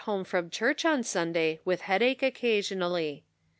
home from church on Sunday with headache occasionally.